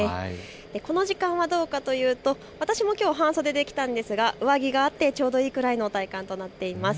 この時間はどうかというと私もきょう半袖で来たんですが上着があってちょうどいいくらいの体感となっています。